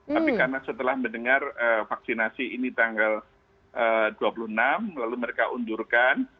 tapi karena setelah mendengar vaksinasi ini tanggal dua puluh enam lalu mereka undurkan